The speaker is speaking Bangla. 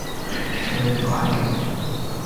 ঈশ্বরের দোহাই লাগে!